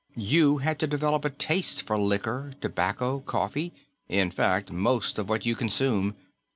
You had to develop a taste for liquor, tobacco, coffee in fact most of what you consume.